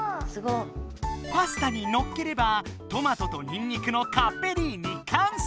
パスタにのっければトマトとにんにくのカッペリーニ完成！